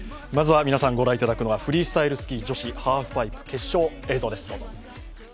まずは皆さんご覧いただくのはフリースタイルスキー・ハーフパイプ決勝。